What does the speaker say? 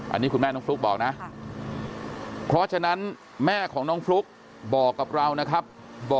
อันนี้คุณแม่น้องฟลุ๊กบอกนะเพราะฉะนั้นแม่ของน้องฟลุ๊กบอกกับเรานะครับ